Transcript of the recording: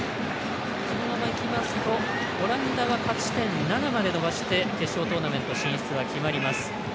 このままでいきますとオランダが勝ち点７まで伸ばして決勝トーナメント進出が決まります。